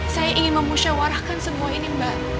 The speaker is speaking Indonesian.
saya ingin memusyawarahkan semua ini mbak